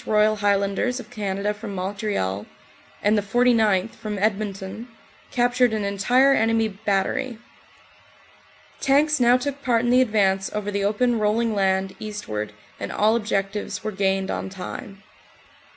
Royal Highlanders of Canada from Montreal, and the 49th., from Edmonton, captured an entire enemy bat tery. Tanks now took part in the advance over the open roll ing land eastward and all objectives were gained on time.